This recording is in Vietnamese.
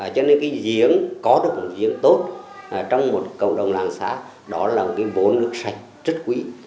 cho nên cái diếng có được cái diếng tốt trong một cộng đồng làng xã đó là cái bốn nước sạch rất quý